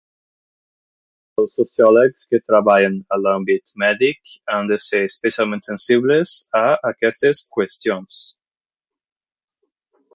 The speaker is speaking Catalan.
Els sociòlegs que treballen a l'àmbit mèdic han de ser especialment sensibles a aquestes qüestions.